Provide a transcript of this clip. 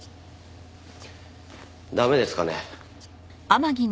駄目ですかね？